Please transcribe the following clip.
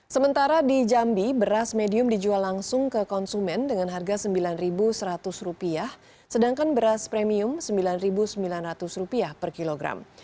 sementara di jambi beras medium dijual langsung ke konsumen dengan harga rp sembilan seratus sedangkan beras premium rp sembilan sembilan ratus per kilogram